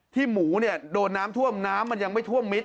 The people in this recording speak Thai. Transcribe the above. ที่หมูโดนน้ำท่วมน้ำมันยังไม่ท่วมมิตร